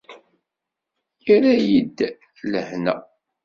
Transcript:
Irra-yi-d lehna.